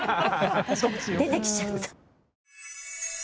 出てきちゃった。